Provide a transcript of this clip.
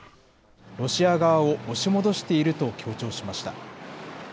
ロシア側を押し戻していると強調しました。